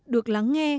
được lắng nghe